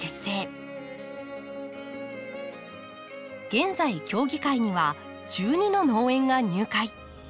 現在協議会には１２の農園が入会。